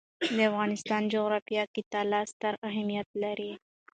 د افغانستان جغرافیه کې طلا ستر اهمیت لري.